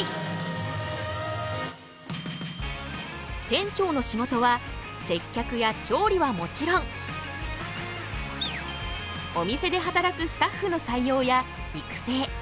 店長の仕事は接客や調理はもちろんお店で働くスタッフの採用や育成。